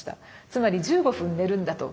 つまり１５分寝るんだと。